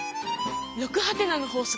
「６？」の法則